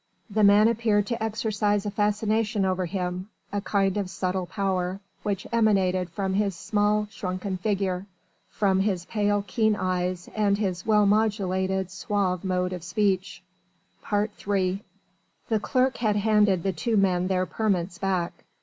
The man appeared to exercise a fascination over him a kind of subtle power, which emanated from his small shrunken figure, from his pale keen eyes and his well modulated, suave mode of speech. III The clerk had handed the two men their permits back.